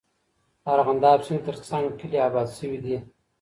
د ارغنداب سیند ترڅنګ کلي آباد سوي دي.